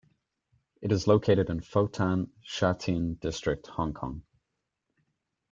It is located in Fo Tan, Sha Tin District, Hong Kong.